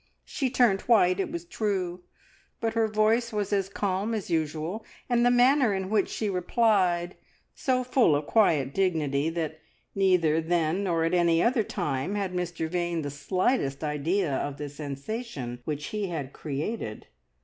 She turned white, it was true, but her voice was as calm as usual, and the manner in which she replied so full of quiet dignity, that neither then nor at any other time had Mr Vane the slightest idea of the sensation which he had created.